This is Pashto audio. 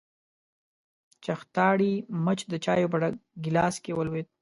چختاړي مچ د چايو په ډک ګيلاس کې ولوېد.